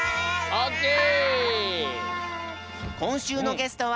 オッケー！